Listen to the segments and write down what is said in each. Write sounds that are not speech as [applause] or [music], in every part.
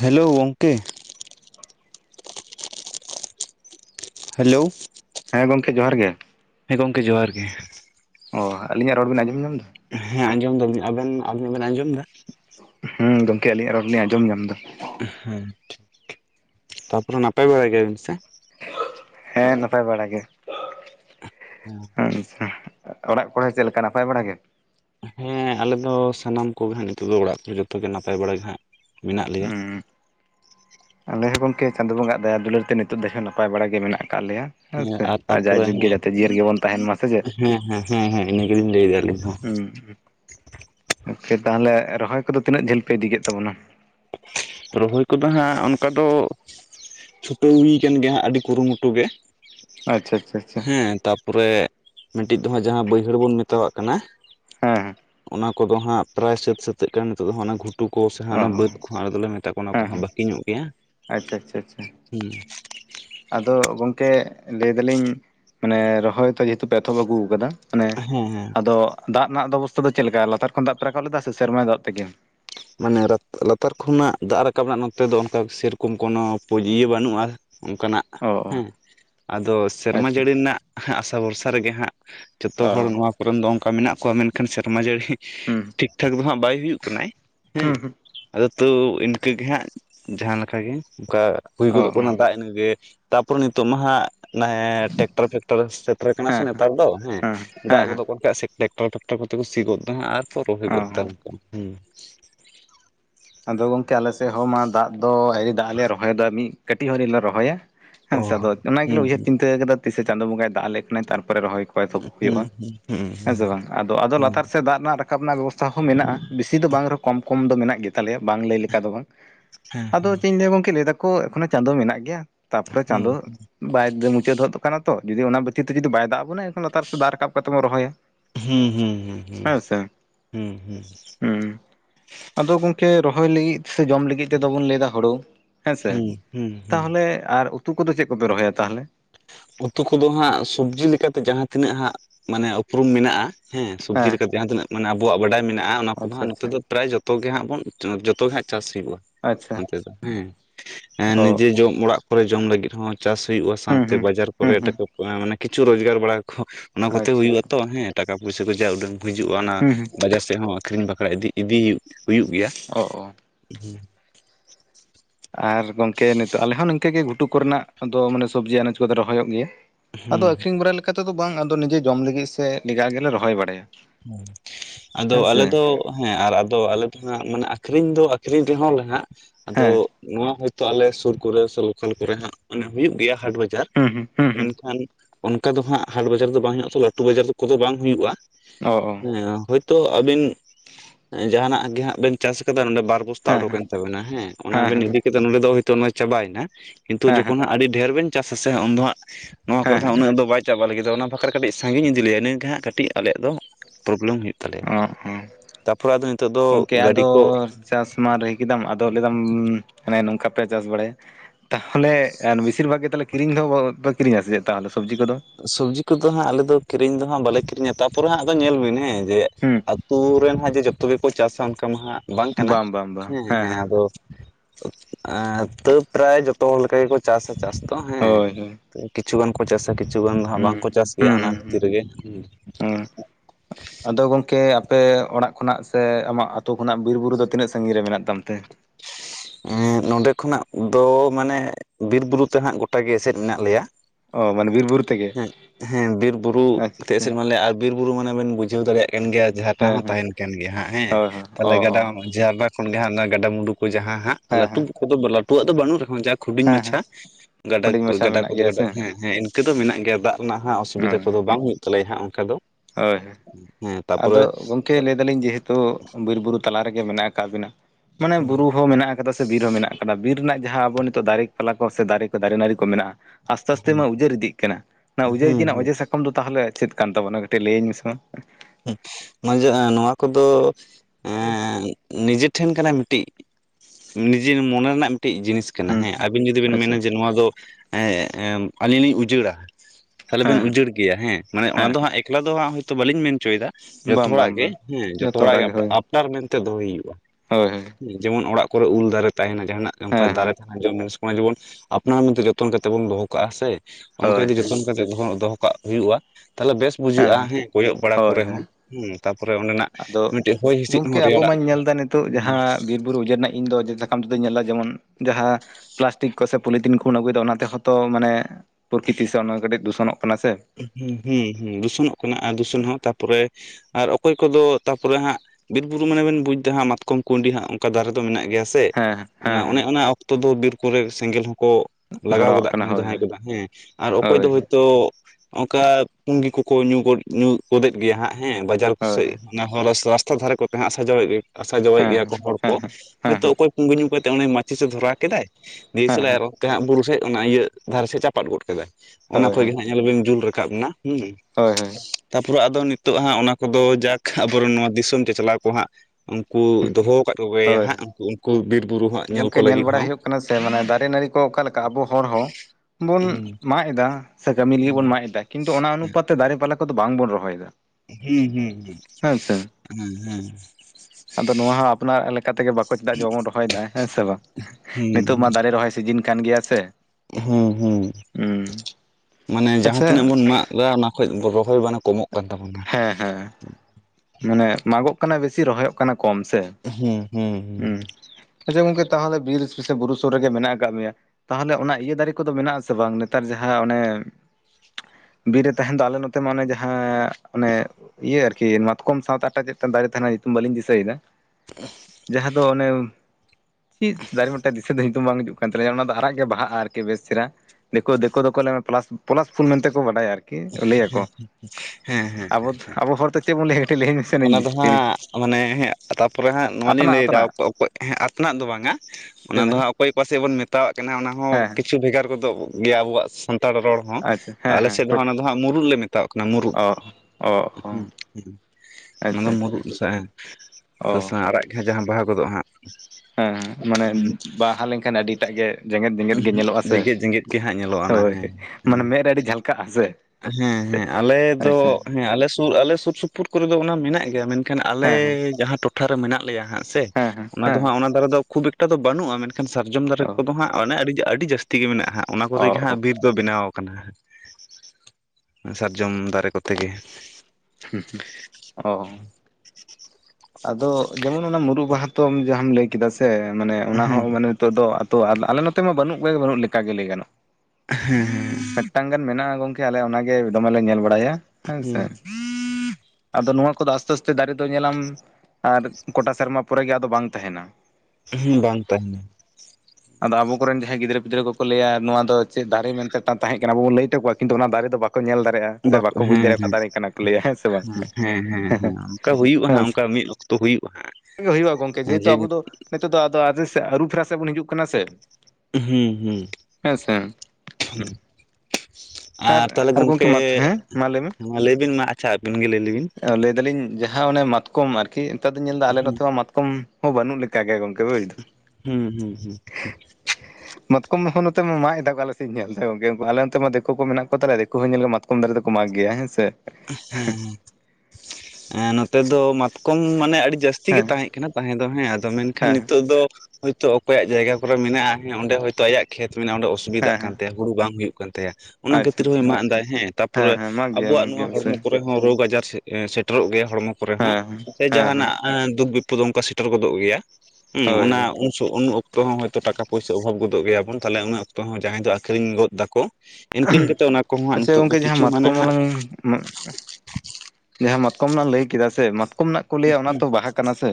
Hello ᱜᱚᱝᱠᱮ᱾ Hello. ᱦᱮᱸ ᱜᱚᱝᱠᱮ ᱡᱚᱦᱟᱨ ᱜᱮ᱾ ᱦᱮᱸ ᱜᱚᱝᱠᱮ ᱡᱚᱦᱟᱨ ᱜᱮ᱾ ᱚᱻ ᱟᱹᱞᱤᱧᱟᱜ ᱨᱚᱲ ᱵᱮᱱ ᱟᱸᱡᱚᱢ ᱧᱟᱢ ᱮᱫᱟ? ᱦᱮᱸ ᱟᱸᱡᱚᱢ ᱫᱟᱹᱧ, ᱟᱵᱮᱱ ᱟᱵᱤᱱᱟᱜ ᱵᱮᱱ ᱟᱸᱡᱚᱢ ᱮᱫᱟ? ᱦᱩᱸ ᱜᱚᱝᱠᱮ ᱟ ᱟᱹᱞᱤᱧᱟᱜ ᱨᱚᱲ ᱞᱤᱧ ᱟᱸᱡᱚᱢ ᱧᱟᱢ ᱮᱫᱟ᱾ ᱦᱮᱸ ᱴᱷᱤᱠ ᱛᱟᱯᱚᱨᱮ ᱱᱟᱯᱟᱭ ᱵᱟᱲᱟ ᱜᱮᱭᱟᱵᱤᱱ ᱥᱮ? ᱦᱮᱸ ᱱᱟᱯᱟᱭ ᱵᱟᱲᱟ ᱜᱮ᱾ ᱦᱩᱸ᱾ [unintelligible] ᱚᱲᱟᱜ ᱠᱚᱨᱮ ᱪᱮᱫ ᱞᱮᱠᱟ ᱱᱟᱯᱟᱭ ᱵᱟᱲᱟ ᱜᱮ? ᱦᱮᱸ ᱟᱞᱮ ᱫᱚ ᱥᱟᱱᱟᱢ ᱠᱚᱜᱮ ᱦᱟᱸᱜ ᱱᱤᱛᱚᱜ ᱫᱚ ᱚᱲᱟᱜ ᱠᱚ ᱡᱚᱛᱚᱜᱮ ᱱᱟᱯᱟᱭ ᱵᱟᱲᱟ ᱜᱮ ᱦᱟᱸᱜ ᱢᱮᱱᱟᱜ ᱞᱮᱭᱟ᱾ ᱦᱩᱸ ᱟᱞᱮ ᱦᱚᱸ ᱜᱚᱝᱠᱮ ᱪᱟᱸᱫ ᱵᱚᱸᱜ ᱫᱟᱭᱟ ᱫᱩᱞᱟᱹᱲ ᱛᱮ ᱱᱤᱛᱚᱜ ᱫᱚ ᱦᱚᱸ ᱱᱟᱯᱟᱭ ᱵᱟᱲᱟᱜ ᱜᱮ ᱢᱮᱱᱟᱜ ᱟᱠᱟᱫ ᱞᱮᱭᱟ᱾ ᱦᱮᱸ ᱥᱮ ᱟᱨ ᱛᱟᱯᱚᱨᱮ ᱡᱟᱭᱡᱩᱜᱽ ᱦᱮᱸ ᱜᱮ ᱡᱟᱛᱮ ᱡᱤᱭᱟᱹᱲ ᱜᱮᱵᱚᱱ ᱛᱟᱦᱮᱱ ᱢᱟ ᱥᱮ ᱪᱮᱫ ᱦᱮᱸ ᱦᱮᱸ ᱦᱮᱸ ᱦᱮᱸ ᱤᱱᱟᱹ ᱜᱮᱞᱤᱧ ᱞᱟᱹᱭᱫᱟ ᱟᱹᱞᱤᱧ ᱦᱚᱸ᱾ ᱦᱩᱸ ᱟᱪᱪᱷᱟ ᱛᱟᱦᱚᱞᱮ ᱨᱚᱦᱚᱭ ᱠᱚᱫᱚ ᱛᱤᱱᱟᱹᱜ ᱡᱷᱟᱹᱞ ᱯᱮ ᱤᱫᱤ ᱠᱮᱫᱮᱫ ᱛᱟᱵᱚᱱᱟ? ᱨᱚᱦᱚᱭ ᱠᱚᱫᱚ ᱦᱟᱸᱜ ᱚᱱᱠᱟ ᱫᱚ ᱪᱷᱩᱴᱟᱹᱣ ᱦᱩᱭᱠᱟᱱ ᱜᱮᱭᱟ ᱦᱟᱸᱜ ᱟᱹᱰᱤ ᱠᱩᱨᱩᱢᱩᱴᱩ ᱜᱮ᱾ ᱟᱪᱷᱟ ᱪᱪᱷᱟ ᱪᱷᱟ᱾ ᱦᱮᱸ ᱛᱟᱯᱚᱨᱮ ᱢᱤᱫᱴᱤᱡ ᱫᱚ ᱦᱟᱸᱜ ᱡᱟᱦᱟᱸ ᱵᱟᱹᱭᱦᱟᱹᱲ ᱵᱚᱱ ᱢᱮᱛᱟᱣᱟᱜ ᱠᱟᱱᱟ᱾ ᱦᱮᱸ ᱾ ᱚᱱᱟ ᱠᱚᱫᱚ ᱦᱟᱸᱜ ᱯᱨᱟᱭ ᱥᱟᱹᱛ ᱥᱟᱹᱛᱟᱹᱜ ᱠᱟᱱ ᱱᱤᱛᱚᱜ ᱫᱚ ᱦᱟᱸᱜ ᱚᱱᱟ ᱜᱷᱩᱴᱩ ᱠᱚ ᱥᱮ ᱦᱟᱸᱜ ᱚ ᱚᱱᱟ ᱵᱟᱹᱫ ᱟᱞᱮ ᱫᱚᱞᱮ ᱢᱮᱛᱟ ᱠᱚᱣᱟ ᱚᱱᱟ ᱦᱮᱸ ᱠᱚᱦᱚᱸ ᱦᱮᱸ ᱵᱟᱟᱹᱠᱤ ᱧᱚᱜ ᱜᱮᱭᱟ, ᱟᱪᱪᱷᱟ ᱟᱪᱪᱷᱟ ᱟᱪᱪᱷᱟ ᱦᱩᱸ ᱟᱫᱚ ᱜᱚᱝᱠᱮ ᱞᱟᱹᱭ ᱫᱟᱞᱤᱧ ᱢᱟᱱᱮ ᱨᱚᱦᱚᱭ ᱡᱮᱦᱮᱛᱩ ᱯᱮ ᱮᱛᱚᱦᱚᱵ ᱟᱹᱜᱩ ᱟᱠᱟᱫᱟ ᱢᱟᱱᱮ ᱦᱮᱸ ᱦᱮᱸ ᱟᱫᱚ ᱫᱟᱜ ᱨᱮᱱᱟᱜ ᱵᱮᱵᱚᱥᱛᱷᱟ ᱫᱚ ᱪᱮᱫ ᱞᱮᱠᱟ ᱞᱟᱛᱟᱨ ᱠᱷᱚᱱ ᱫᱟᱜ ᱯᱮ ᱨᱟᱠᱟᱵ ᱞᱮᱫᱟ ᱥᱮ ᱥᱮᱨᱢᱟ ᱫᱟᱜ ᱛᱮᱜᱮ? ᱢᱟᱱᱮ ᱞᱟᱛᱟᱨ ᱠᱷᱚᱱᱟᱜ ᱫᱟᱜ ᱨᱟᱠᱟᱵ ᱨᱮᱱᱟᱜ ᱱᱚᱛᱮ ᱫᱚ ᱚᱱᱠᱟ ᱥᱮᱨᱚᱠᱚᱢ ᱠᱳᱱᱳ ᱯᱩᱸᱡᱤᱭ ᱵᱟᱹᱱᱩᱜᱼᱟ ᱚᱱᱠᱟᱱᱟᱜ ᱚ ᱚ ᱦᱮᱸ, ᱟᱫᱚ ᱥᱮᱨᱢᱟ ᱟᱪᱪᱷᱟ ᱡᱟᱹᱲᱤ ᱨᱮᱱᱟᱜ ᱟᱥᱟ ᱵᱷᱚᱨᱥᱟ ᱨᱮᱜᱮ ᱦᱟᱸᱜ ᱡᱚᱛᱚ ᱚ ᱦᱚᱲ ᱱᱚᱣᱟ ᱠᱚᱨᱮᱱ ᱫᱚ ᱚᱱᱠᱟ ᱢᱮᱱᱟᱜ ᱠᱚᱣᱟ᱾ ᱢᱮᱱᱠᱷᱟᱱ ᱥᱮᱨᱢᱟ ᱡᱟᱹᱲᱤ ᱦᱩᱸ ᱴᱷᱤᱠ ᱴᱷᱟᱠ ᱫᱚ ᱦᱟᱸᱜ ᱵᱟᱭ ᱦᱩᱭᱩᱜ ᱠᱟᱱᱟᱭ ᱦᱩᱸ ᱦᱮᱸ᱾ ᱦᱩᱸ ᱟᱫᱚ ᱛᱟᱣ ᱤᱱᱠᱟᱹᱜᱮ ᱦᱟᱸᱜ ᱡᱟᱦᱟᱸ ᱞᱮᱠᱟ ᱜᱮ ᱚᱱᱠᱟ ᱦᱩᱭ ᱚ ᱜᱚᱫᱚᱜ ᱚ ᱦᱮᱸ ᱠᱟᱱᱟ ᱫᱟᱜ ᱤᱱᱟᱹᱜᱮ, ᱛᱟᱯᱚᱨᱮ ᱱᱤᱛᱚᱜ ᱢᱟ ᱦᱟᱸᱜ ᱴᱮᱠᱴᱚᱨ ᱯᱷᱮᱠᱴᱚᱨ ᱥᱮᱴᱮᱨ ᱠᱟᱱᱟ ᱥᱮ ᱦᱮᱸ ᱱᱮᱛᱟᱨ ᱫᱚ ᱦᱮᱸ ᱫᱟᱜ ᱦᱮᱸ ᱦᱮᱸ ᱜᱚᱫᱚ ᱠᱚ ᱠᱷᱟᱡ ᱥᱮ ᱴᱟᱠᱴᱟᱨ ᱴᱟᱠᱴᱟᱨ ᱠᱟᱛᱮ ᱠᱚ ᱥᱤ ᱜᱚᱫ ᱫᱟ ᱟᱨ ᱠᱚ ᱨᱚᱦᱚᱭ ᱚ ᱜᱚᱫ ᱫᱟ ᱚᱱᱠᱟ ᱦᱩᱸ ᱟᱫᱚ ᱜᱚᱝᱠᱮ ᱟᱞᱮ ᱥᱮᱫ ᱦᱚᱸ ᱢᱟ ᱫᱟᱜ ᱫᱚ ᱟᱹᱣᱨᱤ ᱫᱟᱜ ᱟᱞᱮ ᱨᱚᱦᱚᱭ ᱫᱚ ᱢᱤᱫ ᱠᱟᱹᱴᱤᱡ ᱦᱚᱸ ᱟᱹᱣᱨᱤ ᱞᱮ ᱨᱚᱦᱚᱭᱟ᱾ ᱦᱮᱸ ᱚ ᱥᱮ ᱟᱫᱚ ᱦᱩᱸ ᱚᱱᱟ ᱜᱮᱞᱮ ᱦᱩᱸ ᱩᱭᱦᱟᱹᱨ ᱪᱤᱱᱛᱟᱹ ᱟᱠᱟᱫᱟ ᱛᱤᱥᱮ ᱪᱟᱸᱫᱳ ᱵᱚᱸᱜᱟᱭ ᱫᱟᱜ ᱟᱞᱮ ᱠᱟᱱᱟᱭ ᱛᱟᱨᱯᱚᱨᱮ ᱨᱚᱦᱚᱭ ᱠᱚ ᱮᱛᱚᱦᱚᱵ ᱦᱩᱭᱩᱜ-ᱟ, ᱦᱩᱸ ᱦᱩᱸ ᱦᱮᱸ ᱥᱮ ᱦᱩᱸ ᱵᱟᱝ ᱟᱫᱚ ᱟᱫᱚ ᱦᱩᱸ ᱞᱟᱛᱟᱨ ᱥᱮ ᱫᱟᱜ ᱨᱮᱱᱟᱜ ᱨᱟᱠᱟᱵ ᱨᱮᱱᱟᱜ ᱵᱮᱵᱚᱥᱛᱟ ᱦᱚᱸ ᱢᱮᱱᱟᱜ-ᱟ, ᱵᱮᱥᱤ ᱫᱚ ᱵᱟᱝ ᱨᱮᱦᱚᱸ ᱠᱚᱢ ᱠᱚᱢ ᱫᱚ ᱢᱮᱱᱟᱜ ᱜᱮ ᱛᱟᱞᱮᱭᱟ ᱵᱟᱝ ᱞᱟᱹᱭ ᱞᱮᱠᱟ ᱫᱚ ᱵᱟᱝ᱾ ᱦᱮᱸ ᱟᱫᱚ ᱪᱮᱫ ᱤᱧ ᱞᱟᱹᱭᱟ ᱜᱚᱝᱠᱮ ᱞᱟᱹᱭ ᱫᱟᱠᱚ ᱮᱠᱷᱚᱱᱳ ᱪᱟᱸᱫᱳ ᱢᱮᱱᱟᱜ ᱜᱮᱭᱟ, ᱛᱟᱯᱚᱨᱮ ᱦᱩᱸ ᱪᱟᱸᱫᱳ ᱵᱟᱭ ᱢᱩᱪᱟᱹᱫ ᱦᱚᱫ ᱠᱟᱱᱟ ᱛᱚ ᱡᱩᱫᱤ ᱚᱱᱟ ᱠᱷᱟᱹᱛᱤᱨ ᱛᱮ ᱡᱩᱫᱤ ᱵᱟᱭ ᱫᱟᱜ ᱟᱵᱚᱱᱟ ᱮᱱᱠᱷᱟᱱ ᱞᱟᱛᱟᱨ ᱥᱮᱫ ᱫᱟᱜ ᱨᱟᱠᱟᱵ ᱠᱟᱛᱮ ᱵᱚᱱ ᱨᱚᱦᱚᱭᱟ᱾ ᱦᱩᱸ ᱦᱩᱸ ᱦᱩᱸ ᱦᱩᱸ ᱦᱮᱸ ᱥᱮ ᱦᱩᱸ ᱦᱩᱸ ᱦᱩᱸ ᱾ ᱟᱫᱚ ᱜᱚᱝᱠᱮ ᱨᱚᱦᱚᱭ ᱞᱟᱹᱜᱤᱫ ᱥᱮ ᱡᱚᱢ ᱞᱟᱹᱜᱤᱫ ᱛᱮᱫᱚ ᱵᱚᱱ ᱞᱟᱹᱭᱫᱟ ᱦᱳᱲᱳ ᱦᱮᱸᱥᱮ ᱦᱩᱸ ᱦᱩᱸ ᱦᱩᱸ ᱛᱟᱦᱚᱞᱮ ᱟᱨ ᱩᱛᱩ ᱠᱚᱫᱚ ᱪᱮᱫ ᱠᱚᱯᱮ ᱨᱚᱦᱚᱭᱟ ᱛᱟᱦᱚᱞᱮ? ᱩᱛᱩ ᱠᱚᱫᱚ ᱦᱟᱸᱜ ᱥᱚᱵᱽᱡᱤ ᱞᱮᱠᱟᱛᱮ ᱡᱟᱦᱟᱸ ᱛᱤᱱᱟᱹᱜ ᱦᱟᱸᱜ ᱢᱟᱱᱮ ᱩᱯᱨᱩᱢ ᱢᱮᱱᱟᱜ-ᱟ ᱦᱮᱸ ᱥᱚᱵᱽᱡᱤ ᱞᱮᱠᱟᱛᱮ ᱡᱟᱦᱟᱸ ᱛᱤᱱᱟᱹᱜ ᱢᱟᱱᱮ ᱟᱵᱚᱣᱟᱜ ᱵᱟᱰᱟᱭ ᱢᱮᱱᱟᱜ-ᱟ ᱚᱱᱟ ᱠᱚᱫᱚ ᱟᱪᱪᱷᱟ ᱦᱟᱸᱜ ᱱᱚᱛᱮ ᱟᱪᱪᱷᱟ ᱫᱚ ᱯᱨᱟᱭ ᱡᱚᱛᱚ ᱜᱮ ᱦᱟᱸᱜ ᱵᱚᱱ ᱡᱚᱛᱚ ᱜᱮ ᱦᱟᱸᱜ ᱪᱟᱥ ᱦᱩᱭᱩᱜ-ᱟ ᱟᱪᱪᱷᱟ ᱱᱚᱛᱮ ᱫᱚ ᱦᱮᱸ᱾ ᱮᱸ ᱚ ᱱᱤᱡᱮ ᱡᱚᱢ ᱚᱲᱟᱜ ᱠᱚᱨᱮ ᱡᱚᱢ ᱞᱟᱹᱜᱤᱫ ᱦᱚᱸ ᱪᱟᱥ ᱦᱩᱭᱩᱜ-ᱟ, ᱦᱩᱸ ᱥᱟᱸᱣᱛᱮ ᱦᱩᱸ ᱵᱟᱡᱟᱨ ᱦᱩᱸ ᱠᱚᱨᱮ ᱦᱩᱸ ᱴᱟᱠᱟ ᱢᱟᱱᱮ ᱠᱤᱪᱷᱩ ᱨᱳᱡᱽᱜᱟᱨ ᱵᱟᱲᱟ ᱠᱚ ᱚᱱᱟ ᱠᱚᱛᱮ ᱟᱪᱪᱷᱟ ᱦᱩᱭᱩᱜ-ᱟ ᱟᱪᱪᱷᱟ ᱛᱚ ᱦᱮᱸ ᱴᱟᱠᱟ ᱯᱩᱭᱥᱟᱹ ᱠᱚ ᱡᱟ ᱩᱰᱟᱹᱝ ᱦᱤᱡᱩᱜ-ᱟ, ᱚᱱᱟ ᱦᱩᱸ ᱦᱩᱸ ᱵᱟᱡᱟᱨ ᱥᱮᱫ ᱦᱚᱸ᱾ ᱟᱠᱷᱨᱤᱧ ᱵᱟᱠᱨᱟ ᱤᱫᱤ ᱤᱫᱤ ᱦᱩᱭᱩᱜ ᱦᱩᱭᱩᱜ ᱜᱮᱭᱟ ᱾ ᱚ ᱚ ᱾ [unintelligible] ᱟᱨ ᱜᱚᱝᱠᱮ ᱱᱤᱛᱚᱜ ᱟᱞᱮ ᱦᱚᱸ ᱱᱤᱝᱠᱟᱹ ᱜᱮ ᱜᱷᱩᱴᱩ ᱠᱚᱨᱮᱱᱟᱜ ᱫᱚ ᱢᱟᱱᱮ ᱥᱚᱵᱽᱡᱤ ᱟᱱᱟᱡ ᱠᱚᱫᱚ ᱨᱚᱦᱚᱭᱚᱜ ᱜᱮᱭᱟ ᱾ ᱟᱫᱚ ᱦᱩᱸ ᱟᱠᱷᱨᱤᱧ ᱵᱟᱲᱟ ᱞᱮᱠᱟ ᱛᱮᱫᱚ ᱵᱟᱝ, ᱟᱫᱚ ᱱᱤᱡᱮ ᱡᱚᱢ ᱞᱟᱹᱜᱤᱫ ᱥᱮ ᱞᱮᱜᱟᱜ ᱜᱮᱞᱮ ᱨᱚᱦᱚᱭ ᱵᱟᱲᱟᱭᱟ ᱾ ᱦᱩᱸ ᱟᱫᱚ ᱟᱞᱮ ᱫᱚ ᱦᱮᱸ ᱟᱨ ᱟᱫᱚ ᱟᱞᱮ ᱫᱚ ᱦᱟᱸᱜ ᱢᱟᱱᱮ ᱟᱠᱷᱨᱤᱧ ᱫᱚ ᱟᱠᱷᱨᱤᱧ ᱨᱮᱦᱚᱸ ᱞᱮ ᱦᱟᱸᱜ, ᱟᱫᱚ ᱦᱮᱸ ᱱᱚᱣᱟ ᱛᱚ ᱟᱞᱮ ᱥᱩᱨ ᱠᱚᱨᱮ ᱥᱮ ᱞᱳᱠᱟᱞ ᱠᱚᱨᱮ ᱦᱟᱸᱜ ᱚᱱᱮ ᱦᱩᱭᱩᱜ ᱜᱮᱭᱟ ᱦᱟᱴ ᱵᱟᱡᱟᱨ᱾ ᱦᱩᱸ ᱦᱩᱸ ᱦᱩᱸ ᱦᱩᱸ ᱢᱮᱱᱠᱷᱟᱱ ᱚᱱᱠᱟ ᱫᱚ ᱦᱟᱸᱜ ᱦᱟᱴ ᱵᱟᱡᱟᱨ ᱫᱚ ᱵᱟᱝ ᱦᱩᱭᱩᱜ-ᱟ, ᱛᱚ ᱞᱟᱹᱴᱩ ᱵᱟᱡᱟᱨ ᱫᱚ ᱠᱚᱫᱚ ᱵᱟᱝ ᱦᱩᱭᱩᱜ-ᱟ᱾ [unintelligible] ᱦᱚᱭᱛᱚ ᱟᱹᱵᱤᱱ ᱡᱟᱦᱟᱸᱱᱟᱜ ᱜᱮ ᱦᱟᱸᱜ ᱵᱤᱱ ᱪᱟᱥ ᱟᱠᱟᱫᱟ ᱱᱚᱰᱮ ᱵᱟᱨ ᱵᱚᱥ ᱛᱟ ᱦᱮᱸ ᱦᱮᱸ ᱚᱰᱚᱠᱮᱱ ᱛᱟᱹᱵᱮᱱᱟ ᱦᱮᱸ ᱚᱱᱟ ᱵᱮᱱ ᱤᱫᱤ ᱠᱟᱛᱮ ᱱᱚᱰᱮ ᱫᱚ ᱦᱚᱭᱛᱚ ᱚᱱᱟ ᱪᱟᱵᱟᱭᱱᱟ, ᱠᱤᱱᱛᱩ ᱦᱮᱸ ᱦᱮᱸ ᱡᱚᱠᱷᱚᱱ ᱟᱹᱰᱤ ᱰᱷᱮᱨ ᱵᱮᱱ ᱪᱟᱥ ᱟᱥᱮ ᱩᱱ ᱫᱚ ᱦᱟᱸᱜ ᱱᱚᱣᱟ ᱦᱮᱸ ᱠᱚᱨᱮ ᱫᱚ ᱩᱱᱟᱹᱜ ᱫᱚ ᱵᱟᱭ ᱪᱟᱵᱟ ᱞᱟᱹᱜᱤᱫᱚᱜ-ᱟ, ᱚᱱᱟ ᱵᱟᱠᱷᱨᱟ ᱠᱟᱹᱴᱤᱡ ᱥᱟᱹᱜᱤᱧ ᱤᱫᱤ ᱞᱮᱭᱟ ᱤᱱᱟᱹ ᱜᱮ ᱦᱟᱸᱜ ᱠᱟᱹᱴᱤᱡ ᱟᱞᱮᱭᱟᱜ ᱫᱚ ᱯᱨᱚᱵᱞᱮᱢ ᱦᱩᱭᱩᱜ ᱛᱟᱞᱮᱭᱟ ᱦᱮᱸ ᱚ ᱚ ᱾ ᱛᱟᱨᱯᱚᱨᱮ ᱟᱫᱚ ᱱᱤᱛᱚᱜ ᱫᱚ ᱜᱟᱹᱰᱤ ᱠᱚ ᱢᱟᱨᱮ ᱠᱮᱫᱟᱢ ᱟᱫᱚ ᱞᱟᱹᱭᱫᱟᱢ, ᱢᱟᱱᱮ ᱱᱚᱝᱠᱟ ᱯᱮ ᱪᱟᱥ ᱵᱟᱲᱟᱭᱟ᱾ ᱛᱟᱦᱚᱞᱮ ᱵᱮᱥᱤᱨ ᱵᱷᱟᱜᱽ ᱜᱮ ᱛᱟᱦᱚᱞᱮ ᱠᱤᱨᱤᱧ ᱫᱚ, ᱯᱮ ᱠᱤᱨᱤᱧᱟ ᱥᱮ ᱪᱮᱫ ᱛᱟᱦᱚᱞᱮ ᱥᱚᱵᱽᱡᱤ ᱠᱚᱫᱚ? ᱥᱚᱵᱽᱡᱤ ᱠᱚᱫᱚ ᱦᱟᱸᱜ ᱟᱞᱮ ᱫᱚ ᱠᱤᱨᱤᱧ ᱫᱚ ᱦᱟᱸᱜ ᱵᱟᱞᱮ ᱠᱤᱨᱤᱧᱟ, ᱛᱟᱨᱯᱚᱨᱮ ᱦᱟᱸᱜ ᱟᱫᱚ ᱧᱮᱞ ᱵᱤᱱ ᱦᱮᱸ ᱡᱮ, ᱦᱩᱸ ᱟᱛᱩ ᱨᱮᱱ ᱦᱟᱸᱜ ᱡᱮ ᱡᱚᱛᱚ ᱜᱮᱠᱚ ᱪᱟᱥᱟ, ᱚᱱᱠᱟ ᱢᱟ ᱦᱟᱸᱜ ᱵᱟᱝ ᱠᱟᱱᱟ, ᱦᱮᱸ ᱦᱮᱸ ᱟᱫᱚ᱾ ᱮ ᱛᱟᱹᱣ ᱯᱨᱟᱭ ᱡᱚᱛᱚ ᱦᱚᱲ ᱞᱮᱠᱟ ᱜᱮᱠᱚ, ᱪᱟᱥᱟ ᱪᱟᱥ ᱫᱚ ᱦᱮᱸ᱾ ᱦᱳᱭ ᱦᱳᱭ ᱠᱤᱪᱷᱩ ᱜᱟᱱ ᱠᱚ ᱪᱟᱥᱟ ᱠᱤᱪᱷᱩ ᱜᱟᱱ ᱫᱚ ᱦᱟᱸᱜ ᱦᱩᱸ ᱵᱟᱝᱠᱚ ᱪᱟᱥ ᱜᱮᱭᱟ, ᱦᱩᱸ ᱚᱱᱟ ᱦᱩᱸ ᱦᱩᱸ ᱠᱷᱟᱹᱛᱤᱨ ᱨᱮᱜᱮ ᱦᱮᱸ᱾ ᱦᱩᱸ ᱟᱫᱚ ᱜᱚᱝᱠᱮ ᱟᱯᱮ ᱚᱲᱟᱜ ᱠᱷᱚᱱᱟᱜ ᱥᱮ, ᱟᱢᱟᱜ ᱟᱛᱳ ᱠᱷᱚᱱᱟᱜ ᱵᱤᱨ ᱵᱩᱨᱩ ᱫᱚ, ᱛᱤᱱᱟᱹᱜ ᱥᱟᱹᱜᱤᱧ ᱨᱮ ᱢᱮᱱᱟᱜ ᱛᱟᱢ ᱛᱮ? ᱮᱸ ᱱᱚᱸᱰᱮ ᱠᱷᱚᱱᱟᱜ ᱫᱚ, ᱢᱟᱱᱮ ᱵᱤᱨ ᱵᱩᱨᱩ ᱛᱮ ᱦᱟᱸᱜ ᱜᱚᱴᱟ ᱜᱮ ᱮᱥᱮᱫ ᱢᱮᱱᱟᱜ ᱞᱮᱭᱟ᱾ ᱚ ᱢᱟᱱᱮ ᱵᱤᱨ ᱵᱩᱨᱩ ᱛᱮᱜᱮ ᱦᱮᱸ, ᱦᱮᱸ ᱵᱤᱨ ᱵᱩᱨᱩ ᱟᱪᱪᱷᱟ ᱛᱮ, ᱟᱪᱪᱷᱟ ᱮᱥᱮᱫ ᱢᱮ ᱞᱮᱭᱟ ᱟᱨ ᱵᱤᱨ ᱵᱩᱨᱩ ᱢᱟᱱᱮ ᱵᱮᱱ ᱵᱩᱡᱷᱟᱹᱣ ᱫᱟᱲᱮᱭᱟᱜ ᱠᱟᱱ ᱜᱮᱭᱟ, ᱡᱷᱟᱨᱱᱟ ᱦᱮᱸ ᱦᱚᱸ ᱦᱮᱸ ᱛᱟᱦᱮᱸᱱ ᱠᱟᱱ ᱜᱮᱭᱟ ᱦᱟᱸᱜ ᱦᱮᱸ ᱦᱳᱭ ᱦᱳᱭ ᱚ ᱛᱟᱦᱚᱞᱮ ᱚ ᱜᱟᱰᱟ ᱡᱷᱟᱨᱱᱟ ᱠᱷᱚᱱ ᱜᱮ ᱦᱟᱸᱜ ᱚᱱᱟ ᱜᱟᱰᱟ-ᱢᱩᱰᱩ ᱠᱚ, ᱡᱟᱦᱟᱸ ᱦᱟᱸᱜ ᱦᱮᱸ ᱞᱟᱹᱴᱩ ᱦᱮᱸ ᱠᱚᱫᱚ ᱞᱟᱹᱴᱩᱣᱟᱜ ᱫᱚ ᱵᱟᱹᱱᱩᱜ ᱨᱮᱦᱚᱸ ᱡᱟᱠ ᱦᱩᱰᱤᱧ ᱦᱮᱸ ᱦᱮᱸ ᱢᱟᱪᱷᱟ ᱜᱟᱰᱟ, ᱦᱩᱰᱤᱧ ᱢᱟᱪᱷᱟ ᱜᱟᱰᱟ ᱢᱮᱱᱟᱜ ᱠᱚᱫᱚ ᱜᱮᱭᱟ ᱥᱮ ᱜᱟᱰᱟ ᱦᱮᱸ, ᱦᱮᱸ ᱤᱱᱠᱟᱹ ᱫᱚ ᱢᱮᱱᱟᱜ ᱜᱮᱭᱟ ᱾ᱫᱟᱜ ᱩᱱᱟᱹᱜ ᱦᱟᱸᱜ ᱚᱥᱩᱵᱤᱫᱟ ᱠᱚᱫᱚ ᱵᱟᱝ ᱦᱩᱭᱩᱜ ᱛᱟᱞᱮᱭᱟ, ᱦᱟᱸᱜ ᱚᱱᱠᱟ ᱫᱚ᱾ ᱦᱳᱭ, ᱦᱳᱭ ᱦᱮᱸ ᱛᱟᱯᱚᱨᱮ ᱟᱫᱚ ᱜᱚᱝ ᱠᱮ ᱞᱟᱹᱭ ᱫᱟᱞᱤᱧ ᱡᱮᱦᱮᱛᱩ, ᱵᱤᱨ ᱵᱩᱨᱩ ᱛᱟᱞᱟ ᱨᱮᱜᱮ ᱢᱮᱱᱟᱜ ᱟᱠᱟᱫ ᱵᱤᱱᱟ, ᱢᱟᱱᱮ ᱦᱮᱸ ᱵᱩᱨᱩ ᱠᱚ ᱢᱮᱱᱟᱜ ᱠᱟᱫᱟ ᱥᱮ, ᱵᱤᱨ ᱦᱚᱸ ᱢᱮᱱᱟᱜ ᱟᱠᱟᱫᱟ, ᱵᱤᱨ ᱨᱮᱱᱟᱜ ᱡᱟᱦᱟᱸ ᱟᱵᱚ ᱱᱤᱛᱚᱜ ᱫᱟᱨᱮ ᱯᱟᱞᱦᱟ ᱠᱚ ᱥᱮ ᱫᱟᱨᱮ ᱠᱚ ᱫᱟᱨᱮ ᱱᱟᱲᱤ ᱠᱚ ᱢᱮᱱᱟᱜ-ᱟ᱾ ᱟᱥᱛᱮ ᱟᱥᱛᱮ ᱢᱟ ᱩᱡᱟᱹᱨ ᱤᱫᱤᱜ ᱠᱟᱱᱟ, ᱚᱱᱟ ᱩᱡᱟᱹᱨ ᱤᱫᱤ ᱨᱮᱱᱟᱜ ᱚᱡᱮ ᱦᱮᱸ ᱥᱟᱠᱟᱢ ᱫᱚ ᱛᱟᱦᱚᱞᱮ ᱪᱮᱫ ᱠᱟᱱ ᱛᱟᱵᱚᱱᱟ᱾ ᱠᱟᱹᱴᱤᱡ ᱞᱟᱹᱭᱟᱹᱧ ᱢᱮᱥᱮ ᱢᱟ? ᱮᱜ ᱱᱚᱜ ᱡᱮ ᱱᱚᱣᱟ ᱠᱚᱫᱚ ᱮᱸ ᱱᱤᱡᱮ ᱴᱷᱮᱱ ᱠᱟᱱᱟ ᱢᱤᱫᱴᱮᱡ, ᱱᱤᱡᱮ ᱢᱚᱱᱮ ᱨᱮᱱᱟᱜ ᱢᱤᱫᱴᱤᱡ ᱡᱤᱱᱤᱥ ᱠᱟᱱᱟ ᱦᱩᱸ ᱦᱮᱸ ᱟᱹᱵᱤᱱ ᱡᱩᱫᱤᱵᱤᱱ ᱟᱪᱪᱷᱟ ᱢᱮᱱᱟ, ᱦᱮᱸ ᱡᱮ ᱱᱚᱣᱟ ᱫᱚ ᱟᱹᱞᱤᱧ ᱞᱤᱧ ᱩᱡᱟᱹᱲᱟ᱾ ᱛᱟᱦᱞᱮ ᱵᱮᱱ ᱦᱮᱸ ᱩᱡᱟᱹᱲ ᱜᱮᱭᱟ, ᱦᱮᱸ ᱢᱟᱱᱮ ᱚᱱᱟ ᱦᱮᱸ ᱫᱚ ᱦᱟᱸᱜ ᱮᱠᱞᱟ ᱫᱚ ᱦᱟᱸᱜ ᱦᱳᱭᱛᱳ ᱵᱟᱹᱞᱤᱧ ᱢᱮᱱ ᱪᱚᱭᱫᱟ᱾ ᱡᱚᱛᱚ ᱵᱟᱝ ᱵᱟᱝ ᱦᱚᱲᱟᱜ ᱜᱮ ᱵᱟᱝ ᱦᱮᱸ ᱡᱚᱛᱚ ᱦᱚᱲᱟᱜ ᱜᱮ, ᱦᱳᱭ ᱟᱯᱱᱟᱨ ᱢᱮᱱᱛᱮ ᱫᱚᱦᱚᱭ ᱦᱩᱭᱩᱜ-ᱟ᱾ ᱦᱳᱭ ᱦᱳᱭ᱾ ᱡᱮᱢᱚᱱ ᱚᱲᱟᱜ ᱠᱚᱨᱮ ᱩᱞ ᱫᱟᱨᱮ ᱛᱟᱦᱮᱱᱟ, ᱡᱟᱦᱟᱱᱟᱜ ᱚᱱᱠᱟ ᱦᱮᱸ ᱫᱟᱨᱮ ᱦᱮᱸ ᱛᱟᱦᱮᱱᱟ ᱡᱚᱢ ᱡᱤᱱᱤᱥ ᱚᱱᱟ ᱡᱮᱢᱚᱱ ᱟᱯᱱᱟᱨ ᱢᱚᱫᱽᱫᱷᱮ ᱡᱚᱛᱚᱱ ᱠᱟᱛᱮ ᱵᱚᱱ ᱫᱚᱦᱚ ᱠᱟᱜ-ᱟ, ᱥᱮ ᱚᱱᱠᱟ ᱦᱳᱭ ᱦᱳᱭ ᱡᱩᱫᱤ ᱦᱮᱸ ᱡᱚᱛᱚᱱ ᱫᱚᱦᱚ ᱠᱟᱜ ᱦᱩᱭᱩᱜ-ᱟ, ᱛᱟᱦᱞᱮ ᱵᱮᱥ ᱵᱩᱡᱷᱟᱹᱜ-ᱟ ᱦᱮᱸ ᱠᱚᱭᱚᱜ ᱵᱟᱲᱟ᱾ ᱦᱳᱭ ᱦᱳᱭ ᱦᱩᱸ ᱛᱟᱯᱚᱨᱮ ᱚᱸᱰᱮᱱᱟᱜ ᱟᱫᱚ ᱢᱤᱫᱴᱮᱡ ᱦᱚᱭ ᱦᱤᱸᱥᱤᱫ ᱜᱚᱝᱠᱮ ᱦᱚᱸ ᱟᱵᱚ ᱨᱮᱭᱟᱲᱟᱜ ᱢᱟᱧ ᱧᱮᱞ ᱫᱟ, ᱱᱤᱛᱚᱜ ᱡᱟᱦᱟᱸ ᱵᱤᱨ ᱵᱩᱨᱩ ᱩᱡᱟᱹᱨ ᱨᱮᱱᱟᱜ ᱤᱧ ᱫᱚ, ᱚᱡᱮ ᱥᱟᱠᱟᱢ ᱛᱮᱫᱚᱧ ᱧᱮᱞᱫᱟ ᱡᱮᱢᱚᱱ ᱡᱟᱦᱟᱸ ᱯᱞᱟᱥᱴᱤᱠ ᱠᱚᱥᱮ ᱯᱚᱞᱤᱛᱤᱱ ᱠᱚᱵᱚᱱ ᱟᱹᱜᱩᱭᱫᱟ, ᱚᱱᱟᱛᱮᱦᱚᱸᱛᱚ ᱢᱟᱱᱮ ᱯᱨᱚᱠᱤᱛᱤ ᱥᱮ ᱚᱱᱟ ᱠᱟᱹᱴᱤᱡ ᱫᱩᱥᱚᱱᱚᱜ ᱠᱟᱱᱟ ᱥᱮ᱾ ᱦᱩᱸ, ᱦᱩᱸ, ᱫᱩᱥᱚᱱᱚᱜ ᱠᱟᱱᱟ ᱟᱨ ᱫᱩᱥᱚᱱ ᱦᱚᱸ ᱛᱟᱨᱯᱚᱨᱮ, ᱟᱨ ᱚᱠᱚᱭ ᱠᱚᱫᱚ ᱛᱟᱨᱯᱚᱨᱮ ᱦᱟᱸᱜ ᱵᱤᱨ ᱵᱩᱨᱩ ᱢᱟᱱᱮ ᱵᱮᱱ ᱵᱩᱡᱽ ᱫᱟ, ᱦᱟᱸᱜ ᱢᱟᱛᱠᱚᱢ ᱠᱩᱸᱤᱰᱤ ᱦᱟᱸᱜ ᱚᱱᱠᱟ ᱫᱟᱨᱮ ᱫᱚ ᱢᱮᱱᱟᱜ ᱜᱮᱭᱟ ᱥᱮ᱾ ᱛᱮ ᱦᱮᱸ ᱚᱱᱟ ᱦᱮᱸ ᱚᱱᱮ ᱦᱮᱸ ᱚᱱᱟ ᱚᱠᱛᱚ ᱫᱚ, ᱵᱤᱨ ᱠᱚᱨᱮ ᱥᱮᱸᱜᱮᱞ ᱦᱚᱸᱠᱚ ᱞᱟᱜᱟᱣ ᱫᱷᱚᱨᱟᱣᱟᱜ ᱜᱚᱫᱟᱜ ᱠᱟᱱᱟ ᱦᱳᱭ ᱡᱟᱦᱟᱸᱭ ᱦᱳᱭ ᱠᱚᱫᱚ, ᱦᱮᱸ ᱟᱨ ᱚᱠᱚᱭ ᱫᱚ ᱦᱳᱭ ᱦᱳᱭᱛᱳ ᱚᱝᱠᱟ ᱯᱩᱸᱜᱤ ᱠᱚᱠᱚ ᱧᱩ ᱜᱚᱫ ᱧᱩ ᱜᱚᱫᱮᱫ ᱜᱮᱭᱟ, ᱦᱟᱸᱜ ᱦᱮᱸ ᱵᱟᱡᱟᱨ ᱦᱳᱭ ᱠᱚᱥᱮᱫ ᱚᱱᱟ ᱦᱚᱨ ᱨᱟᱥᱛᱟ ᱫᱷᱟᱨᱮ ᱠᱚᱛᱮ, ᱟᱥᱟ ᱡᱟᱣᱟ ᱟᱥᱟ ᱡᱟᱣᱟᱭᱮᱫ ᱦᱮᱸ ᱜᱮᱭᱟ, ᱠᱚ ᱦᱚᱲ ᱠᱚ ᱦᱮᱸ ᱦᱮᱸ ᱦᱮᱸ ᱦᱮᱸ ᱦᱚᱳᱭᱛᱳ ᱦᱮᱸ ᱚᱠᱚᱭ ᱯᱩᱸᱜᱤ ᱧᱩ ᱠᱟᱛᱮᱫ ᱩᱱᱤ ᱢᱟᱪᱤᱥ ᱮ ᱫᱷᱚᱨᱟᱣ ᱠᱮᱫᱟᱭ, ᱦᱮᱸ ᱫᱮᱣᱥᱟᱞᱟᱭ ᱦᱮᱸ ᱟᱨᱚ ᱛᱮ ᱦᱟᱸᱜ ᱵᱷᱩᱞᱛᱮ ᱚᱱᱟ ᱤᱭᱟᱹ ᱫᱷᱟᱨᱮ ᱥᱮᱡ ᱪᱟᱯᱟᱫ ᱜᱚᱫ ᱠᱟᱫᱟᱭ, ᱚᱱᱟ ᱦᱳᱭ ᱠᱷᱚᱡ ᱜᱮ ᱦᱟᱸᱜ ᱧᱮᱞᱚᱵᱮᱱ ᱡᱩᱞ ᱨᱟᱠᱟᱵ ᱱᱟ ᱦᱩᱸ᱾ ᱦᱳᱭ ᱦᱳᱭ᱾ ᱛᱟᱯᱚᱨᱮ ᱟᱫᱚ ᱱᱤᱛᱚᱜ ᱦᱟᱸᱜ ᱚᱱᱟ ᱠᱚᱫᱚ, ᱡᱟᱠ ᱟᱵᱚᱨᱮᱱ ᱱᱚᱣᱟ ᱫᱤᱥᱚᱢ ᱪᱟᱪᱞᱟᱣ ᱠᱚ ᱦᱟᱸᱜ ᱩᱱᱠᱩ ᱫᱚᱦᱚ ᱟᱠᱟᱫ ᱠᱚᱜᱮᱭᱟ, ᱦᱳᱭ ᱦᱟᱸᱜ ᱩᱱᱠᱩ ᱩᱱᱠᱩ ᱵᱤᱨ ᱵᱩᱨᱩ ᱦᱟᱸᱜ ᱠᱚ ᱜᱚᱝᱠᱮ ᱧᱮᱞ ᱞᱟᱹᱜᱤᱫ ᱵᱟᱲᱟ ᱦᱚᱸ ᱦᱳᱭᱳᱜ ᱠᱟᱱᱟ ᱥᱮ, ᱢᱟᱱᱮ ᱫᱟᱨᱮ ᱱᱟᱹᱲᱤ ᱠᱚ ᱚᱠᱟ ᱞᱮᱠᱟ ᱟᱵᱚ ᱦᱚᱲ ᱦᱚᱸ᱾ ᱵᱩᱱ ᱦᱩᱸ ᱢᱟᱜ ᱮᱫᱟ, ᱥᱮ ᱠᱟᱹᱢᱤ ᱞᱟᱹᱜᱤᱫ ᱵᱩᱱ ᱢᱟᱜ ᱮᱫᱟ᱾ ᱠᱤᱱᱛᱩ ᱚᱱᱟ ᱚᱱᱩᱯᱟᱛᱮ ᱫᱟᱨᱮ ᱯᱟᱞᱟ ᱠᱚᱫᱚ, ᱵᱟᱝᱵᱩᱱ ᱨᱚᱦᱚᱭᱫᱟ᱾ ᱦᱩᱸ, ᱦᱩᱸ, ᱦᱩᱸ, ᱦᱮᱸ, ᱦᱮᱸ᱾ ᱟᱫᱚ ᱱᱚᱣᱟ ᱦᱚᱸ ᱟᱯᱱᱟᱨ ᱞᱮᱠᱟ ᱛᱮᱜᱮ ᱵᱟᱠᱚ ᱪᱮᱫᱟᱜ ᱡᱮ ᱵᱟᱵᱚᱱ ᱨᱚᱦᱚᱭᱮᱫᱟ᱾ ᱦᱮᱸ ᱥᱮ ᱵᱟᱝ ᱱᱤᱛᱚᱜ ᱦᱩᱸ ᱢᱟ ᱫᱟᱨᱮ ᱨᱚᱦᱚᱭ ᱥᱤᱡᱤᱱ ᱠᱟᱱ ᱜᱮᱭᱟ ᱥᱮ, ᱦᱩᱸ ᱦᱩᱸ ᱦᱩᱸ ᱢᱟᱱᱮ ᱡᱟᱦᱟᱸ ᱛᱤᱱᱟᱹᱜ ᱟᱪᱪᱷᱟ ᱵᱚᱱ ᱢᱟᱜ ᱫᱟ ᱚᱱᱟ ᱠᱷᱚᱡ ᱨᱚᱦᱚᱭ ᱵᱟᱱᱮ ᱠᱚᱢᱚᱜ ᱠᱟᱱ ᱛᱟᱵᱚᱱᱟ᱾ ᱦᱮᱸ ᱦᱮᱸ ᱢᱟᱱᱮ ᱢᱟᱜ-ᱚᱜ ᱠᱟᱱᱟ ᱵᱮᱥᱤ ᱨᱚᱦᱚᱭᱚᱜ ᱠᱟᱱᱟ ᱠᱚᱢ ᱥᱮ᱾ ᱦᱩᱸ ᱦᱩᱸ ᱦᱩᱸ ᱟᱪᱪᱷᱟ ᱜᱚᱝᱠᱮ ᱛᱟᱦᱚᱞᱮ ᱵᱤᱨ ᱥᱮ ᱵᱩᱨᱩ ᱥᱩᱨ ᱨᱮᱜ ᱢᱮᱱᱟᱜ ᱟᱠᱟᱫ ᱢᱮᱭᱟ᱾ ᱛᱟᱦᱚᱞᱮ ᱚᱱᱟ ᱤᱭᱟᱹ ᱫᱟᱨᱮ ᱠᱚᱫᱚ ᱢᱮᱱᱟᱜ-ᱟ ᱥᱮ ᱵᱟᱝ ᱱᱮᱛᱟᱨ ᱡᱟᱦᱟᱸ ᱚᱱᱮ ᱵᱤᱨ ᱨᱮ ᱛᱟᱦᱮᱱ ᱫᱚ ᱟᱞᱮ ᱱᱚᱛᱮ ᱢᱟ ᱚᱱᱮ ᱡᱟᱦᱟᱸ ᱚᱱᱮ ᱤᱭᱟᱹ ᱟᱨᱠᱤ ᱢᱟᱛᱠᱚᱢ ᱥᱟᱶᱛᱟ- ᱛᱮ ᱪᱮᱫ ᱫᱟᱨᱮ ᱛᱟᱦᱮᱸᱱᱟ ᱧᱩᱛᱩᱢ ᱵᱟᱹᱞᱤᱧ ᱫᱤᱥᱟᱹᱭᱮᱫᱟ? [inaudible] ᱡᱟᱦᱟᱸ ᱫᱚ ᱚᱱᱮ ᱪᱤᱫ ᱫᱟᱨᱮ ᱢᱤᱫᱴᱮᱡ ᱫᱤᱥᱟᱹ ᱫᱚ ᱧᱩᱛᱩᱢ ᱵᱟᱝ ᱦᱤᱡᱩᱜ ᱠᱟᱱ ᱛᱟᱹᱞᱤᱧᱟ ᱚᱱᱟ ᱫᱚ ᱟᱨᱟᱜ ᱜᱮ ᱵᱟᱦᱟᱜ-ᱟ ᱟᱨᱠᱤ ᱵᱮᱥ ᱪᱮᱦᱨᱟ᱾ ᱫᱤᱠᱳ ᱫᱤᱠᱳ ᱫᱚᱠᱚ ᱞᱟᱹᱭ ᱯᱮᱞᱟᱥ, ᱯᱚᱞᱟᱥ ᱯᱷᱩᱞ ᱢᱮᱱᱛᱮ ᱠᱚ ᱵᱟᱰᱟᱭᱟ ᱟᱨᱠᱤ ᱞᱟᱹ ᱭ ᱟᱠᱚ᱾ ᱦᱮᱸ ᱦᱮᱸ ᱦᱮᱸ ᱦᱮᱸ ᱦᱚᱲ ᱛᱮ ᱪᱮᱫ ᱵᱚᱱ ᱞᱟᱹᱭᱟ ᱠᱟᱹᱴᱤᱡ ᱞᱟᱹᱭ ᱤᱧ ᱢᱮ ᱥᱮ᱾ ᱚᱱᱟ ᱫᱚ ᱦᱟᱸᱜ ᱢᱟᱱᱮ ᱛᱟᱯᱚᱨᱮ ᱦᱟᱸᱜ ᱱᱚᱣᱟ ᱞᱤᱧ ᱟᱛᱱᱟᱜ ᱞᱟᱹᱭᱫᱟ ᱟᱛᱱᱟᱜ ᱚᱠᱚ ᱚᱠᱚ ᱟᱯᱱᱟᱜ ᱫᱚ ᱵᱟᱝᱟ ᱚᱱᱟ ᱪᱮᱫ ᱫᱚ ᱠᱟᱱᱟ? ᱦᱟᱸᱜ ᱚᱠᱚᱭ ᱯᱟᱥᱮᱡ ᱵᱚᱱ ᱚᱱᱟ ᱚᱱᱟ ᱚᱱᱟ ᱫᱚ ᱦᱟᱸᱜ ᱚᱠᱚᱭ ᱯᱟᱥᱮᱜ ᱵᱚᱱ ᱢᱮᱛᱟᱣᱟᱜ ᱠᱟᱱᱟ ᱚᱱᱟ ᱦᱚᱸ ᱦᱮᱸ ᱠᱤᱪᱷᱩ ᱵᱷᱮᱜᱟᱨ ᱜᱚᱫᱚᱜ ᱜᱮᱭᱟ ᱟᱵᱚᱣᱟᱜ ᱥᱟᱱᱛᱟᱲ ᱨᱚᱲ ᱦᱚᱸ ᱟᱪᱪᱷᱟ ᱦᱮᱸ ᱟᱞᱮ ᱦᱮᱸ ᱥᱮᱫ ᱫᱚ ᱦᱟᱸᱜ ᱚᱱᱟ ᱫᱚ ᱦᱟᱸᱜ ᱢᱩᱨᱩᱜ ᱞᱮ ᱢᱮᱛᱟᱜ ᱠᱟᱱᱟ ᱢᱩᱨᱩᱜ ᱚ ᱚ ᱚ ᱚᱱᱟ ᱫᱚ ᱟᱪᱪᱷᱟ ᱟᱪᱪᱷᱟ ᱢᱩᱨᱩᱫ ᱞᱮᱠᱟ ᱦᱮᱸ ᱚ ᱥᱟᱥᱟᱝ, ᱟᱨᱟᱜ ᱜᱮ ᱡᱟᱦᱟᱸ ᱵᱟᱦᱟ ᱜᱚᱫᱚᱜ-ᱟ ᱦᱟᱸᱜ ᱦᱮᱸ ᱢᱟᱱᱮ ᱵᱟᱦᱟ ᱞᱮᱱᱠᱷᱟᱱ ᱟᱹᱰᱤ ᱮᱴᱟᱜ ᱜᱮ ᱡᱮᱸᱜᱮᱛ ᱡᱮᱸᱜᱮᱛ ᱜᱮ ᱧᱮᱞᱚᱜ-ᱟ ᱥᱮ᱾ ᱡᱮᱜᱮᱫ ᱡᱮᱜᱮᱫ ᱜᱮ ᱦᱟᱸᱜ ᱧᱮᱞᱚᱜᱼᱟ ᱚᱱᱟ ᱦᱳᱭ, ᱦᱮᱸ ᱦᱮᱸ ᱢᱟᱱᱮ ᱢᱮᱫ ᱨᱮ ᱟᱹᱰᱤ ᱡᱷᱟᱞᱠᱟᱜ-ᱟ ᱥᱮ ᱦᱮᱸ ᱦᱮᱸ ᱟᱞᱮ ᱫᱚ ᱟᱪᱪᱷᱟ ᱦᱮᱸ ᱟᱞᱮ ᱥᱩᱨ ᱟᱞᱮ ᱥᱩᱨ ᱥᱩᱯᱩᱨ ᱠᱚᱨᱮ ᱫᱚ ᱚᱱᱟ ᱢᱮᱱᱟᱜ ᱜᱮᱭᱟ ᱢᱮᱱ- ᱠᱷᱟᱱ ᱟᱞᱮ ᱦᱮᱸ ᱦᱮᱸ ᱡᱟᱦᱟᱸ ᱴᱚᱴᱷᱟ ᱨᱮ ᱢᱮᱱᱟᱜ ᱞᱮᱭᱟ ᱦᱟᱸᱜ ᱥᱮ᱾ ᱦᱮᱸ ᱦᱮᱸ ᱚᱱᱟ ᱫᱚ ᱦᱮᱸ ᱦᱟᱸᱜ ᱚᱱᱟ ᱫᱟᱨᱮ ᱫᱚ ᱠᱷᱩᱵ ᱮᱠᱴᱟ ᱫᱚ ᱵᱟᱹᱱᱩᱜ-ᱟ ᱢᱮᱱ- ᱮᱱᱠᱷᱟᱱ ᱥᱟᱨᱡᱚᱢ ᱫᱟᱨᱮ ᱚ ᱠᱚᱫᱚ ᱦᱟᱸᱜ ᱚᱱᱮ ᱟᱹᱰᱤ ᱟᱹᱰᱤ ᱡᱟᱹᱥᱛᱤ ᱜᱮ ᱢᱮᱱᱟᱜ ᱦᱟᱸᱜ ᱚᱱᱟ ᱠᱚ ᱚ ᱛᱮᱜᱮ ᱦᱟᱸᱜ ᱵᱤᱨ ᱫᱚ ᱵᱮᱱᱟᱣ ᱠᱟᱱᱟ᱾ ᱥᱟᱨᱡᱚᱢ ᱫᱟᱨᱮ ᱠᱚ ᱛᱮᱜᱮ᱾ ᱦᱩᱸᱻᱦᱩᱸ ᱚᱻ ᱟᱫᱚ ᱡᱮᱢᱚᱱ ᱚᱱᱟ ᱢᱩᱨᱩ ᱵᱟᱦᱟ ᱛᱚᱢ ᱡᱟᱦᱟᱸᱢ ᱞᱟᱹᱭ ᱠᱮᱫᱟ ᱥᱮ ᱢᱟᱱᱮ ᱚᱱᱟ ᱦᱮᱸ ᱦᱚᱸ ᱢᱟᱱᱮ ᱱᱤᱛᱚᱜ ᱫᱚ ᱟᱛᱳ ᱟᱞᱮ ᱱᱚᱛᱮ ᱢᱟ ᱵᱟᱹᱱᱩᱜ ᱜᱮ ᱵᱟᱹᱱᱩᱜ ᱞᱮᱠᱟ ᱜᱮ ᱞᱟᱹᱭ ᱜᱟᱱᱚᱜ᱾ ᱦᱮᱸ ᱦᱮᱸ ᱢᱤᱫᱴᱟᱝ ᱜᱟᱱ ᱢᱮᱱᱟᱜ-ᱟ ᱜᱚᱝᱠᱮ ᱟᱞᱮ ᱚᱱᱟ ᱜᱮ ᱫᱚᱢᱮᱞᱮ ᱧᱮᱞ ᱵᱟᱲᱟᱭᱟ ᱦᱮᱸ ᱥᱮ᱾ ᱟᱫᱚ ᱱᱚᱣᱟ ᱠᱚᱫᱚ ᱟᱥᱛᱮ ᱟᱥᱛᱮ ᱫᱟᱨᱮ ᱫᱚ ᱧᱮᱞᱟᱢ ᱟᱨ ᱠᱚᱴᱟ ᱥᱮᱨᱢᱟ ᱯᱚᱨᱮ ᱜᱮ ᱟᱫᱚ ᱵᱟᱝ ᱛᱟᱦᱮᱸᱱᱟ᱾ ᱦᱩᱸ ᱵᱟᱝ ᱛᱟᱦᱮᱸᱱᱟ᱾ [inaudible] ᱟᱫᱚ ᱟᱵᱚ ᱠᱚᱨᱮ ᱡᱟᱦᱟᱸᱭ ᱜᱤᱫᱽᱨᱟᱹ ᱯᱤᱫᱽᱨᱟᱹ ᱠᱚᱠᱚ ᱞᱟᱹᱭᱟ, ᱱᱚᱣᱟ ᱫᱚ ᱪᱮᱫ ᱫᱟᱨᱮ ᱢᱮᱱ ᱛᱮ ᱴᱟᱝ ᱛᱟᱦᱮᱸᱡ ᱠᱟᱱᱟ ᱟᱵᱚ ᱵᱚᱱ ᱞᱟᱹᱭ ᱦᱚᱴᱚ ᱠᱚᱣᱟ ᱠᱤᱱᱛᱩ ᱚᱱᱟ ᱫᱟᱨᱮ ᱫᱚ ᱵᱟ- ᱵᱟ ᱠᱚ ᱧᱮᱞ ᱫᱟᱲᱮᱭᱟᱜ-ᱟ ᱥᱮ ᱵᱟᱠᱚ ᱵᱩᱡᱽ ᱦᱮᱸ ᱫᱟᱲᱮᱭᱟᱜ-ᱟ ᱚᱠᱟ ᱦᱮᱸ ᱦᱮᱸ ᱫᱟᱨᱮ ᱠᱟᱱᱟ᱾ ᱠᱚ ᱞᱟᱹᱭᱟ ᱦᱮᱸ ᱥᱮ ᱵᱟᱝ ᱦᱮᱸ ᱦᱮᱸ ᱦᱮᱸ ᱚᱱᱠᱟ ᱦᱩᱭᱩᱜ-ᱟ ᱦᱮᱸ ᱦᱟᱸᱜ ᱥᱮ ᱚᱱᱠᱟ ᱢᱤᱫ ᱚᱠᱛᱚ ᱦᱩᱭᱩᱜ-ᱟ ᱦᱟᱸᱜ, ᱜᱮ ᱦᱩᱭᱩᱜ-ᱟ ᱜᱚᱝᱠᱮ ᱡᱮᱦᱮᱛᱩ ᱡᱮ ᱟᱵᱚ ᱫᱚ ᱱᱤᱛᱚᱜ ᱫᱚ ᱟᱫᱚ ᱟᱹᱨᱩ ᱯᱷᱮᱨᱟ ᱥᱮᱡ ᱵᱚᱱ ᱦᱤᱡᱩᱜ ᱠᱟᱱᱟ ᱥᱮ᱾ ᱦᱩᱸ ᱦᱩᱸ ᱦᱮᱸ ᱥᱮ ᱦᱩᱸ, [inaudible] ᱟᱨ ᱟᱨ ᱜᱚᱢᱠᱮ ᱢᱟᱛ ᱦᱮᱸ ᱢᱟ ᱞᱟᱹᱭ ᱢᱮ᱾ ᱢᱟ ᱞᱟᱹᱭ ᱵᱤᱱ ᱢᱟ ᱟᱪᱪᱷᱟ ᱟᱹᱵᱤᱱ ᱜᱮ ᱞᱟᱹᱭ ᱞᱮᱵᱤᱱ ᱞᱟᱹᱭ ᱫᱟᱞᱤᱧ ᱡᱟᱦᱟᱸ ᱚᱱᱮ ᱢᱟᱛ- ᱠᱚᱢ ᱟᱨᱠᱤ ᱱᱮᱛᱟᱨ ᱫᱩᱧ ᱧᱮᱞ ᱫᱟ ᱟᱞᱮ ᱦᱩᱸ ᱱᱚᱛᱮ ᱦᱚᱸ ᱢᱟᱛᱠᱚᱢ ᱦᱚᱸ ᱵᱟᱹᱱᱩᱜ ᱞᱮᱠᱟ ᱜᱮ ᱜᱚᱝᱠᱮ ᱵᱩᱡᱽ ᱦᱩᱸ ᱦᱩᱸ ᱦᱮᱸ ᱫᱟᱵᱤᱱ ᱢᱟᱛᱠᱚᱢ ᱦᱚᱸ ᱱᱚᱛᱮ ᱢᱟᱜ ᱮᱫᱟ ᱠᱚ ᱟᱞᱮ ᱥᱮᱡ ᱧᱮᱞ ᱛᱮ ᱜᱚᱝᱠᱮ ᱟᱞᱮ ᱱᱚᱱᱛᱮ ᱢᱟ ᱫᱤᱠᱩ ᱠᱚ ᱢᱮᱱᱟᱜ ᱠᱚᱛᱟᱞᱮ ᱫᱤᱠᱩ ᱦᱚᱸ ᱧᱮᱞ ᱢᱮ ᱢᱟᱛ ᱠᱚᱢ ᱫᱟᱨᱮ ᱫᱚ ᱠᱚ ᱢᱟᱜ ᱜᱮᱭᱟ ᱦᱮᱸ ᱥᱮ, ᱦᱮᱸ, ᱦᱮᱸ, ᱱᱚᱛᱮ ᱫᱚ ᱢᱟᱛᱠᱚᱢ ᱢᱟᱱᱮ ᱟᱹᱰᱤ ᱡᱟᱹᱥᱛᱤ ᱜᱮ ᱦᱮᱸ ᱛᱟᱦᱮᱸᱫ ᱠᱟᱱᱟ᱾ ᱛᱟᱦᱮᱸ ᱫᱚ ᱦᱮᱸ ᱟᱫᱚ ᱢᱮᱱᱠᱷᱟᱱ ᱦᱮᱸ ᱱᱤᱛᱚᱜ ᱫᱚ ᱦᱳᱭᱛᱳ ᱚᱠᱚᱭᱟᱜ ᱡᱟᱭᱜᱟ ᱠᱚᱨᱮ ᱢᱮᱱᱟᱜᱼᱟ ᱦᱮᱸ ᱚᱸᱰᱮ ᱦᱳᱭᱛᱳ ᱟᱭᱟᱜ ᱠᱷᱮᱛ ᱢᱮᱱᱟᱜᱼᱟ ᱚᱸᱰᱮ ᱚᱥᱩᱵᱤᱫᱷᱟᱜ ᱦᱮᱸ ᱠᱟᱱ ᱦᱮᱸ ᱛᱟᱭᱟ᱾ ᱦᱩᱲᱩ ᱵᱟᱝ ᱦᱩᱭᱩᱜ ᱠᱟᱱ ᱛᱟᱭᱟ ᱚᱱᱟ ᱟᱪᱪᱷᱟ ᱠᱷᱟᱹᱛᱤᱨ ᱦᱳᱭ ᱟᱪᱪᱷᱟ ᱢᱟᱜ ᱫᱟᱭ ᱦᱮᱸ, ᱛᱟᱯᱚᱨᱮ ᱦᱮᱸ ᱢᱟᱜᱽ ᱜᱮᱭᱟ ᱟᱵᱚᱣᱟᱜ ᱢᱟᱜᱽ ᱱᱚᱣᱟ ᱜᱮᱭᱟ ᱦᱚᱲᱢᱚ ᱚᱵᱚᱥᱥᱳᱭ ᱠᱚᱨᱮ ᱦᱚᱸ ᱨᱳᱜᱽ ᱟᱡᱟᱨ ᱥᱮ ᱥᱮᱴᱮᱨᱚᱜ ᱜᱮᱭᱟ ᱦᱚᱲᱢᱚ ᱠᱚᱨᱮ ᱦᱮᱸ ᱦᱚᱸ ᱦᱮᱸ ᱥᱮ ᱦᱮᱸ ᱦᱮᱸ ᱡᱟᱦᱟᱸᱱᱟᱜ ᱮᱸ ᱫᱩᱠ ᱵᱤᱯᱚᱫ ᱚᱱᱠᱟ ᱥᱮᱴᱮᱨ ᱜᱚᱫᱚᱜ ᱜᱮᱭᱟ, ᱦᱸ ᱦᱳᱭ ᱦᱳᱭ ᱚᱱᱟ ᱥᱚ ᱩᱱ ᱚᱠᱛᱚ ᱦᱚᱸ ᱦᱚᱳᱭᱛᱚ ᱴᱟᱠᱟ ᱯᱚᱭᱥᱟᱹ ᱚᱵᱷᱟᱵ ᱜᱚᱫᱚᱜ ᱜᱮᱭᱟᱵᱚᱱ ᱛᱟᱦᱚᱞᱮ ᱩᱱ ᱚᱠᱛ ᱦᱚᱸ ᱡᱟᱦᱟᱸᱭ ᱫᱚ ᱟᱹᱠᱷᱨᱤᱧ ᱜᱚᱫ ᱫᱟᱠᱚ, ᱤᱱᱠᱤᱱ ᱜᱮᱛᱚ ᱚᱱᱟ ᱠᱚᱸᱦᱟᱜ ᱟᱪᱪᱷᱟ ᱱᱤᱛᱚᱜ ᱫᱚ ᱜᱚᱝᱠᱮ ᱡᱟᱦᱟᱸ ᱠᱤᱪᱷᱩ ᱢᱚᱱᱮ ᱢᱟᱛᱠᱚᱢ ᱦᱟᱜ [inaudible] ᱡᱟᱦᱟᱸ ᱢᱟᱛᱠᱚᱢ ᱞᱟᱝ ᱞᱟᱹᱭ ᱠᱮᱫᱟ ᱥᱮ ᱢᱟᱛᱠᱚᱢ ᱱᱟᱜ ᱠᱚ ᱞᱟᱹᱭᱟ ᱚᱱᱟ ᱛᱚ ᱵᱟᱦᱟ ᱠᱟᱱᱟ ᱥᱮ,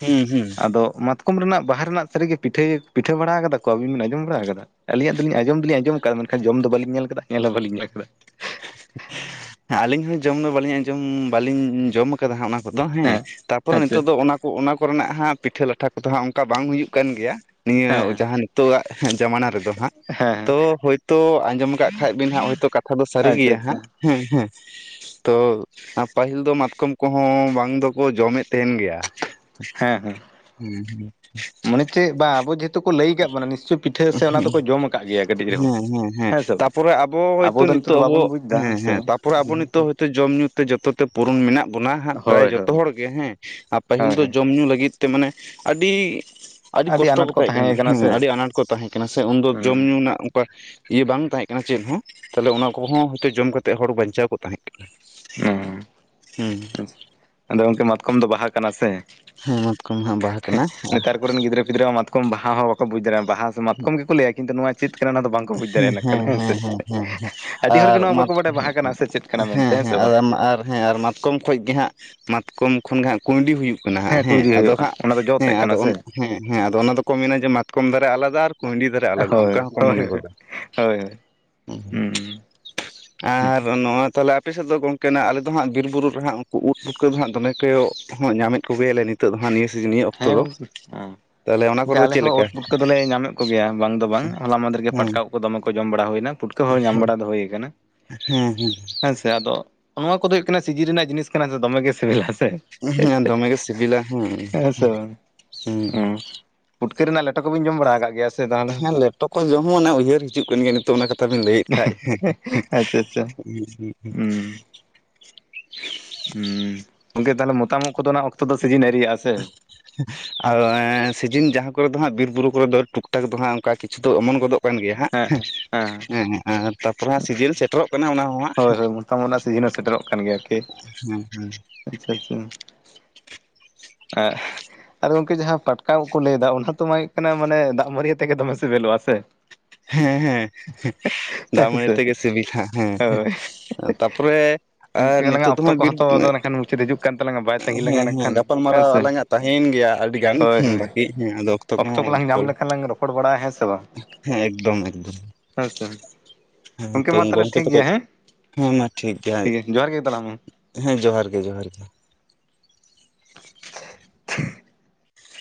ᱦᱩᱸ, ᱦᱩᱸ, ᱟᱫᱚ ᱢᱟᱛᱠᱚᱢ ᱨᱮᱱᱟᱜ ᱵᱟᱦᱟ ᱨᱮᱱᱟᱜ ᱥᱟᱹᱨᱤᱜᱮ ᱯᱤᱴᱷᱟᱹᱭ ᱯᱤᱴᱷᱟᱹ ᱵᱟᱲᱟ ᱟᱠᱟᱫᱟ ᱠᱚ ᱟᱵᱤᱱ ᱵᱤᱱ ᱟᱸᱡᱚᱢ ᱵᱟᱲᱟ ᱟᱠᱟᱫᱟ? ᱟᱹᱞᱤᱧᱟᱜ ᱫᱚᱞᱤᱧ ᱟᱸᱡᱚᱢ ᱫᱚᱞᱤᱧ ᱟᱸᱡᱚᱢ ᱟᱠᱟᱫᱟ ᱢᱮᱱᱠᱷᱟᱱ ᱡᱚᱢ ᱫᱚ ᱵᱟᱹᱞᱤᱧ ᱧᱮᱞ ᱠᱮᱫᱟ ᱧᱮᱞ ᱦᱚᱸ ᱵᱟᱹᱞᱤᱧ ᱧᱮᱞ ᱟᱠᱟᱫᱟ᱾ ᱦᱮᱸ ᱟᱹᱞᱤᱧ ᱦᱚᱸ ᱡᱚᱢ ᱫᱚ ᱵᱟᱹᱞᱤᱧ ᱟᱸᱡᱚᱢ ᱵᱟᱹᱞᱤᱧ ᱡᱚᱢ ᱠᱟᱫᱟ ᱦᱟᱸᱜ ᱚᱱᱟ ᱠᱚᱫᱚ ᱦᱮᱸ ᱛᱟᱨᱯᱚᱨᱮ ᱟᱪᱪᱷᱟ ᱱᱤᱛᱚᱜ ᱫᱚ ᱚᱱᱟ ᱚᱱᱟ ᱠᱚᱨᱮᱱᱟᱜ ᱦᱟᱸᱜ ᱯᱤᱴᱷᱟᱹ ᱞᱟᱴᱷᱟ ᱠᱚᱫᱚ ᱦᱟᱹᱜ ᱚᱱᱠᱟ ᱵᱟᱝ ᱦᱩᱭᱩᱜ ᱠᱟᱱ ᱜᱮᱭᱟ ᱱᱤᱭᱟᱹ ᱦᱮᱸ ᱦᱮᱸ ᱡᱟᱦᱟᱸ ᱛᱳᱣᱟᱜ ᱡᱟᱢᱟᱱᱟ ᱨᱮᱫᱚ ᱦᱟᱸᱜ ᱦᱮᱸ ᱦᱮᱸ ᱛᱚ ᱦᱳᱭᱛᱳ ᱟᱸᱡᱚᱢ ᱠᱟᱜ ᱠᱷᱟᱡ ᱵᱤᱱ ᱦᱟᱸᱜ ᱦᱭᱛᱚ ᱠᱟ ᱛᱷᱟ ᱫᱚ ᱥᱟᱹᱨᱤ ᱟᱪᱪᱷᱟ ᱜᱮᱭᱟ ᱟᱪᱪᱷᱟ ᱦᱟᱸᱜ᱾ ᱦᱮᱸ, ᱦᱮᱸ, ᱛᱚ ᱯᱟᱹᱦᱤᱞ ᱫᱚ ᱢᱟᱛᱠᱚᱢ ᱠᱚᱦᱚ ᱵᱟᱝ ᱫᱚᱠᱚ ᱡᱚᱢᱮᱫ ᱛᱟᱦᱮᱸᱱ ᱜᱮᱭᱟ᱾ ᱦᱮᱸ ᱦᱩ ᱦᱮᱸ ᱦᱮᱸ ᱢᱚᱱᱮ ᱪᱮᱫ ᱵᱟ ᱟᱵᱚ ᱡᱮ ᱛᱚ ᱠᱚ ᱞᱟᱹᱭ ᱟᱠᱟᱫ ᱵᱚᱱᱟ ᱱᱤᱥᱪᱳᱭ ᱯᱤᱴᱷᱟᱹ ᱥᱮ ᱚᱱᱟ ᱫᱚᱠᱚ ᱡᱚᱢ ᱟᱠᱟᱫ ᱜᱮᱭᱟ ᱠᱟᱹᱴᱤᱡ ᱨᱮᱦᱚᱸ᱾ ᱦᱮᱸ ᱦᱮᱸ ᱦᱮᱸ ᱦᱮᱸᱥ ᱵᱟᱝ? ᱛᱟᱯᱚᱨᱮ ᱟᱵᱚ ᱦᱭᱛᱳ ᱫᱚ ᱱᱤᱛᱚᱜ ᱫᱚ ᱟᱵᱚ ᱵᱟᱵᱚᱱ ᱵᱩᱡ ᱮᱫᱟ ᱦᱮᱸ ᱥᱮ ᱦᱮᱸ ᱛᱟᱯᱚᱨᱮ ᱟᱵᱚ ᱱᱤᱛᱚᱜ ᱦᱭᱛᱚ ᱡᱚᱢ ᱧᱩ ᱛᱮ ᱡᱚᱛᱚ ᱛᱮ ᱯᱩᱨᱩᱱ ᱢᱮᱱᱟᱜ ᱵᱚᱱᱟ ᱦᱟᱜ ᱯᱨᱟᱭ ᱦᱳᱭ ᱡᱚᱛᱚ ᱦᱳᱭ ᱦᱚᱲ ᱜᱮ ᱦᱮᱸ, ᱟᱨ ᱯᱟᱹᱦᱤᱞ ᱦᱳᱭ ᱫᱚ ᱦᱳᱭ ᱡᱚᱢ ᱧᱩ ᱞᱟᱹᱜᱤᱫ ᱢᱟᱱᱮ ᱟᱹᱰᱤ ᱟᱹᱰᱤ ᱠᱚᱴᱚ ᱟᱱᱟᱴ ᱠᱚ ᱠᱟᱛᱮᱡ᱾ ᱛᱟᱦᱮᱸ ᱠᱟᱱᱟ ᱥᱮ ᱟᱱᱟᱴ ᱠᱚ ᱛᱟᱦᱮᱸ ᱠᱟᱱᱟ ᱥᱮ ᱩᱱᱫᱚ ᱡᱚᱢ ᱧᱩ ᱦᱩᱸ ᱨᱮᱱᱟᱜ ᱚᱱᱠᱟ ᱤᱭᱟᱹ ᱵᱟᱝ ᱛᱟᱦᱮᱸ ᱠᱟᱱᱟ ᱪᱮᱫᱦᱚᱸ ᱛᱟᱦᱞᱮ ᱚᱱᱟ ᱠᱚᱦᱚᱸ ᱦᱚᱭᱛᱚ ᱡᱚᱢ ᱠᱟᱛᱮ ᱦᱚᱲ ᱵᱟᱧᱪᱟᱣ ᱠᱚᱜ ᱛᱟᱦᱮᱸ ᱠᱟᱱᱟ᱾ ᱦᱮᱸ ᱦᱚᱸ ᱟᱫᱚ ᱜᱚᱝᱠᱮ ᱢᱟᱛᱠᱚᱢ ᱫᱚ ᱵᱟᱦᱟ ᱠᱟᱱᱟ ᱥᱮ? ᱦᱮᱸ ᱢᱟᱛᱠᱚᱢ ᱦᱟᱸᱜ ᱵᱟᱦᱟ ᱠᱟᱱᱟ᱾ ᱱᱮᱛᱟᱨ ᱠᱚᱨᱮᱱ ᱜᱤᱫᱽᱨᱟᱹ ᱢᱟᱛᱠᱚᱢ ᱵᱟᱦᱟ ᱦᱚᱸ ᱵᱟᱠᱚ ᱵᱩᱡᱽ ᱫᱟᱲᱮᱭᱟᱜ ᱵᱟᱦᱟ ᱢᱟᱛᱚᱢ ᱜᱮᱠᱚ ᱞᱟᱹᱭᱟ ᱠᱤᱱᱛᱩ ᱱᱚᱣᱟ ᱪᱮᱫ ᱠᱟᱱᱟ ᱚᱱᱟ ᱫᱚ ᱵᱟᱝ ᱦᱮᱸ, ᱦᱮᱸ, ᱦᱮᱸ, ᱦᱮᱸ, ᱦᱮᱸ, ᱦᱮᱸ, ᱟᱹᱰᱤ ᱦᱚᱲᱜᱮ ᱟᱨ ᱱᱚᱣᱟ ᱢᱟᱛ ᱵᱟᱠᱚ ᱵᱟᱰᱟᱭᱟ ᱵᱟᱦᱟ ᱠᱟᱱᱟ ᱥᱮ ᱪᱮᱫ ᱠᱟᱱᱟ ᱢᱮᱱᱛᱮ ᱦᱮᱸ, ᱥᱮ ᱵᱟᱝ ᱦᱮᱸ ᱟᱨ ᱦᱮᱸ ᱟᱨ ᱢᱟᱛᱠᱚᱢ ᱠᱷᱚᱱ ᱜᱮ ᱦᱟᱸᱜ ᱢᱟᱛᱠᱚᱢ ᱠᱷᱚᱱ ᱜᱮ ᱦᱟᱸᱜ ᱠᱩᱸᱭᱰᱤ ᱦᱩᱭᱩᱜ ᱠᱟᱱᱟ ᱦᱮᱸ, ᱠᱩᱭᱰᱤ ᱟᱫᱚ ᱦᱩᱭᱩᱜᱼᱟ ᱦᱟᱸᱜ ᱚᱱᱟ ᱫᱚ ᱡᱚ ᱦᱮᱸ ᱛᱮᱫ ᱟᱫᱚ ᱠᱟᱱᱟ ᱥᱮ ᱦᱮᱸ ᱦᱮᱸ ᱟᱫᱚ ᱚᱱᱟ ᱫᱚᱠᱚ ᱢᱮᱱᱟ ᱡᱮ ᱢᱟᱛᱠᱚᱢ ᱫᱟᱨᱮ ᱟᱞᱟᱫᱟ, ᱟᱨ ᱠᱩᱸᱩᱭᱰᱤ ᱫᱟᱨᱮ ᱟᱞᱟᱫᱟ ᱦᱳᱭ ᱚᱱᱠᱟ ᱦᱚᱸᱠᱚ ᱦᱳᱭ ᱢᱚᱱᱮ ᱜᱚᱫᱟ᱾ ᱾ ᱦᱳᱭ ᱦᱩᱸ ᱟᱨ ᱱᱚᱣᱟ ᱛᱟᱦᱚᱞᱮ ᱟᱯᱮ ᱥᱮᱫ ᱫᱚ ᱜᱚᱝᱠᱮᱱᱟᱜ ᱟᱞᱮ ᱫᱚ ᱦᱟᱸᱜ ᱵᱤᱨᱼᱵᱩᱨᱩ ᱨᱮᱦᱟᱸᱜ ᱩᱱᱠᱩ ᱩᱫ ᱯᱷᱩᱠᱟᱹ ᱫᱚᱟᱸᱜ ᱫᱚᱢᱮ ᱠᱮᱭᱚᱜ ᱦᱚᱸᱜ ᱧᱟᱢᱮᱫ ᱠᱚᱜᱮᱭᱟᱞᱮ ᱱᱤᱛ ᱛᱟᱹᱜ ᱫᱚ ᱦᱟᱸᱜ ᱱᱤᱭᱟᱹ ᱚᱠᱛᱚ ᱦᱮᱸ ᱫᱚ᱾ ᱜᱚᱝᱠᱮ ᱦᱮᱸ ᱛᱟᱦᱚᱞᱮ ᱚᱱᱟ ᱠᱚᱨᱮ ᱜᱚᱝᱠᱮ ᱫᱚ ᱟᱞᱮ ᱪᱮᱫ ᱦᱚᱸ ᱞᱮᱠᱟ? ᱩᱫ ᱯᱩᱴᱠᱟᱹ ᱫᱚᱞᱮ ᱧᱟᱢᱮᱫ ᱠᱚᱜᱮᱭᱟ ᱛᱚᱵᱮ ᱵᱟᱝ ᱫᱚ ᱵᱟᱝ ᱦᱚᱞᱟ ᱢᱟᱦᱫᱮᱨ ᱜᱮ ᱦᱮᱸ ᱯᱟᱴᱠᱟ ᱩᱫ ᱫᱚᱢᱮ ᱠᱚ ᱡᱚᱢ ᱵᱟᱲᱟ ᱦᱩᱭᱱᱟ ᱯᱷᱩᱴᱠᱟᱹ ᱦᱚᱸ ᱧᱟᱢ ᱵᱟᱲᱟ ᱫᱚ ᱦᱳᱭ ᱠᱟᱱᱟ᱾ ᱦᱮᱸ, ᱦᱮᱸ, ᱦᱮᱸ ᱥᱮ ᱟᱫᱚ ᱱᱚᱣᱟ ᱠᱚᱫᱚ ᱦᱳᱭᱳᱜ ᱦᱟᱱᱟ ᱥᱤᱡᱤᱱ ᱨᱮᱱᱟᱜ ᱡᱤᱱᱤᱥ ᱠᱟᱱᱟ, ᱫᱚᱢᱮ ᱜᱮ ᱥᱤᱵᱤᱞᱟ ᱦᱮᱸᱥᱮ᱾ ᱦᱮᱸ, ᱫᱚᱢᱮᱜᱮ ᱥᱤᱵᱤᱞᱟ ᱦᱩᱸ᱾ ᱥᱚ ᱦᱩᱸ, ᱯᱩᱴᱠᱟᱹ ᱨᱮᱱᱟᱜ ᱞᱮᱴᱚ ᱠᱚᱵᱤᱱ ᱡᱚᱢ ᱵᱟᱲᱟ ᱟᱠᱟᱜ ᱜᱮᱭᱟ ᱥᱮ? ᱛᱟᱦᱚᱞᱮ ᱦᱮᱸ ᱞᱮᱴᱚ ᱠᱚ ᱡᱚᱢ ᱦᱚᱸ ᱚᱱᱮ ᱩᱭᱦᱟᱹᱨ ᱦᱤᱡᱩᱜ ᱠᱟᱱ ᱜᱮᱭᱟ ᱱᱤᱛᱚᱜ ᱚᱱᱟ ᱠᱟᱛᱷᱟ ᱵᱤᱱ ᱞᱟᱹᱭᱮᱫ ᱠᱷᱟᱱ, ᱟᱪᱪᱷᱟ ᱟᱪᱪᱷᱟ ᱦᱩᱸ, ᱦᱩᱸ, ᱦᱩᱸ, ᱦᱩᱸᱻ ᱚᱱᱛᱮ ᱛᱟᱦᱞᱮ ᱢᱚᱛᱟᱢ ᱩᱫ ᱠᱚᱫᱚ ᱱᱟᱜᱚᱠᱛᱚ ᱥᱤᱡᱤᱱ ᱟᱭᱨᱤᱭᱟᱜ-ᱟ ᱥᱮ? ᱟᱨ ᱮᱸᱻ ᱥᱤᱡᱤᱱ ᱡᱟᱦᱟᱸ ᱠᱚᱨᱮ ᱫᱚ ᱦᱟᱸᱜ ᱵᱤᱨ ᱼ ᱵᱩᱨᱩ ᱠᱚᱨᱮ ᱫᱚ ᱴᱩᱠᱴᱟᱠ ᱫᱚ ᱦᱟᱸᱜ ᱚᱱᱠᱟ ᱠᱤᱪᱷᱩ ᱫᱚ ᱮᱢᱚᱱ ᱜᱚᱫᱚᱜ ᱠᱟᱱ ᱜᱮᱭᱟ ᱦᱟᱸᱜ, ᱦᱮᱸ ᱟᱨ ᱛᱟᱯᱚᱨᱮ ᱦᱟᱸᱜ ᱥᱤᱡᱤᱱ ᱥᱮᱴᱮᱨᱚᱜ ᱠᱟᱱᱟ ᱚᱱᱟ ᱦᱚᱸᱦᱟᱸᱜ᱾ ᱦᱳᱭ ᱦᱳᱭ ᱢᱚᱛᱟᱢ ᱳᱫ ᱨᱮᱱᱟᱜ ᱥᱤᱡᱤᱱ ᱦᱚᱸ ᱥᱮᱴᱮᱨᱚᱜ ᱠᱟᱱ ᱜᱮᱭᱟ ᱟᱨᱠᱤ᱾ ᱦᱟᱸᱜ ᱟᱪᱪᱷᱟ ᱟᱪᱪᱷᱟ᱾ ᱟᱜ ᱟᱫᱚ ᱜᱚᱢᱠᱮ ᱡᱟᱦᱟᱸ ᱯᱟᱴᱠᱟ ᱩᱫ ᱠᱚ ᱞᱟᱹᱭᱮᱫᱟ, ᱚᱱᱟ ᱛᱚ ᱢᱟ ᱦᱩᱭᱩᱜ ᱠᱟᱱᱟ ᱢᱟᱱᱮ ᱫᱟᱜ ᱢᱟᱹᱨᱤ ᱟᱛᱮᱜᱮ ᱫᱚᱢᱮ ᱥᱮᱹᱵᱮᱹᱞᱚᱜ-ᱟ ᱥᱮ᱾ [unintelligible] ᱦᱮᱸ ᱦᱮᱸ ᱫᱟᱜ ᱦᱮᱸ ᱢᱟᱹᱰᱤ ᱥᱮ ᱛᱮᱜᱮ ᱥᱤᱵᱤᱞᱟ ᱾ ᱦᱮᱸ ᱦᱳᱭ ᱛᱟᱯᱚᱨᱮ ᱟᱨ ᱤᱱᱠᱟᱹ ᱟᱞᱟᱝᱟᱜ ᱱᱤᱛᱚᱜ ᱫᱚ ᱚᱠᱛᱚ ᱦᱟᱸᱜ ᱵᱤᱨ, ᱠᱚᱦᱚᱸ ᱛᱚ ᱟᱫᱚ ᱱᱟᱠᱷᱟᱱ ᱢᱩᱪᱟᱹᱫ ᱦᱤᱡᱩᱜ ᱠᱟᱱ ᱛᱟᱞᱟᱝᱟ ᱵᱟᱭ ᱛᱟᱺᱜᱤ ᱞᱟᱝᱟ ᱦᱮᱸ ᱦᱮᱸ ᱱᱟᱠᱷᱟᱱ ᱜᱟᱯᱟᱞᱼ ᱦᱮᱸ ᱢᱟᱨᱟᱣ ᱥᱮ ᱟᱞᱟᱝᱟᱜ ᱛᱟᱦᱮᱭᱮᱱ ᱜᱮᱭᱟ ᱟᱹᱰᱤ ᱜᱟᱱ ᱦᱳᱭ ᱦᱩᱸ ᱦᱳᱭ ᱵᱟᱠᱤ ᱦᱩᱸ ᱟᱫᱚ ᱚᱠᱛᱚ ᱠᱚᱦᱚᱸ ᱯᱚᱞᱼ ᱯᱚᱲ ᱵᱟᱲᱟᱜ-ᱟ ᱦᱮᱸ ᱥᱮ ᱵᱟᱝ? ᱦᱮᱸ ᱮᱠᱫᱚᱢ ᱮᱠᱫᱚᱢ᱾ ᱦᱮᱸ ᱥᱮ ᱦᱮᱸ ᱜᱚᱝᱠᱮ ᱛᱚ ᱢᱟ ᱛᱟᱦᱚᱞᱮ ᱜᱚᱢᱠᱮ ᱴᱷᱤᱠ ᱜᱮᱭᱟ ᱛᱚᱠᱷᱮᱡ ᱦᱮᱸ ᱦᱮᱸ ᱢᱟ ᱴᱷᱤᱠ ᱜᱮᱭᱟ ᱡᱚᱦᱟᱨ ᱜᱮ ᱛᱟᱞᱟᱝ ᱢᱟ ᱾ ᱦᱮᱸ ᱡᱚᱦᱟᱨ ᱜᱮ ᱡᱚᱦᱟᱨ ᱜᱮ ᱾ [unintelligible]